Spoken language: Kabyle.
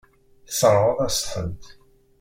Tesseṛɣeḍ-as-tent.